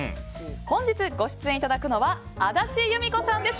本日ご出演いただくのは足立由美子さんです。